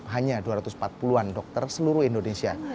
hanya dua ratus empat puluh an dokter seluruh indonesia